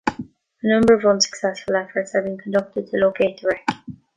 A number of unsuccessful efforts have been conducted to locate the wreck.